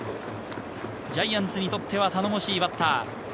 ジャイアンツにとっては頼もしいバッター。